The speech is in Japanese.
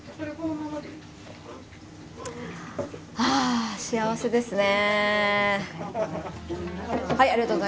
はあ幸せですね。